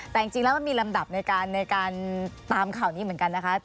แต่จริงแล้วมันมีลำดับในการตามข่าวนี้เหมือนกันนะคะ